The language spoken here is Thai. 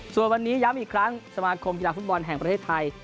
ส่วนวันนี้ย้ำอีกครั้งสมาคมกีฬาฟุตบอลแห่งประเทศไทย